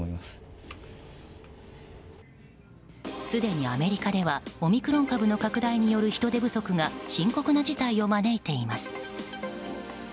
すでにアメリカではオミクロン株の拡大による人手不足が深刻な事態を招いています。